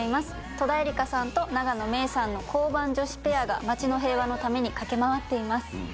戸田恵梨香さんと永野芽郁さんの交番女子ペアが町の平和のために駆け回っています。